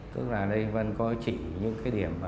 tức là lê vân có chỉ những cái điểm